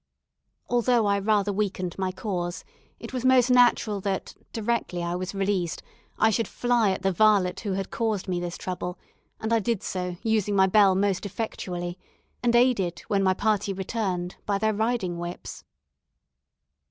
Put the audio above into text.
Although I rather weakened my cause, it was most natural that, directly I was released, I should fly at the varlet who had caused me this trouble; and I did so, using my bell most effectually, and aided, when my party returned, by their riding whips.